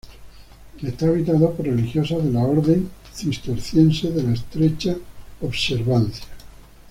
Está habitado por religiosas de la orden Orden Cisterciense de la Estrecha Observancia.